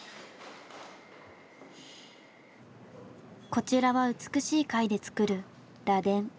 こちらは美しい貝で作る螺鈿。